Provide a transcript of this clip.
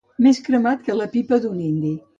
Més cremat que la pipa d'un indi.